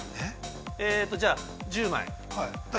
じゃあ、１０枚。